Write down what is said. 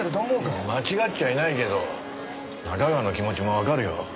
いや間違っちゃいないけど仲川の気持ちもわかるよ。